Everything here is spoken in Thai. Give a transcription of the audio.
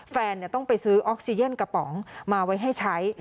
แฟนต้องไปซื้อออกซิเจนกระป๋องมาไว้ให้ใช้